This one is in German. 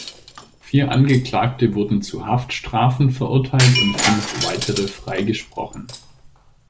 Vier Angeklagte wurden zu Haftstrafen verurteilt und fünf weitere freigesprochen.